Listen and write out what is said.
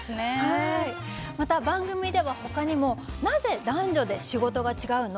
番組では、ほかにも「なぜ男女で仕事がちがうの？」